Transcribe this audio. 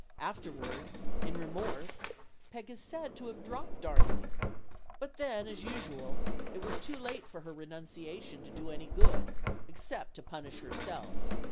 Afterward, in remorse, Peg is said to have dropped Darnley. But then, as usual, it was too late for her renunciation to do any good except to punish herself.